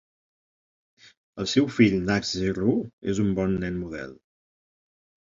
El seu fill, Nahzi Rue, és un bon nen model.